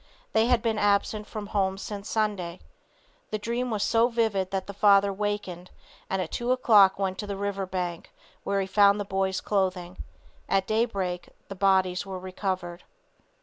They had been absent from home since Sunday. The dream was so vivid that the father wakened and at 2 o'clock went to the river bank, where he found the boys' clothing. At daybreak the bodies were recovered.